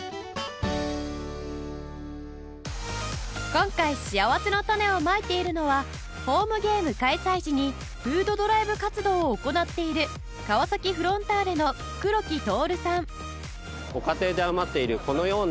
今回しあわせのたねをまいているのはホームゲーム開催時にフードドライブ活動を行っている川崎フロンターレの黒木透さん